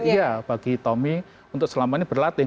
iya bagi tommy untuk selama ini berlatih